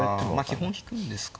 基本引くんですか。